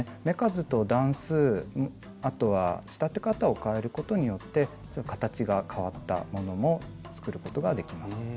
目数と段数あとは仕立て方を変えることによって形が変わったものも作ることができます。